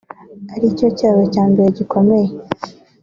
ari cyo cyabo cya mbere gikomeye